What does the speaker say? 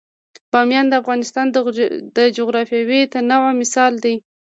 بامیان د افغانستان د جغرافیوي تنوع مثال دی.